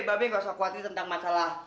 bebe gak usah khawatir tentang masalah